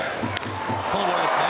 このボールですね。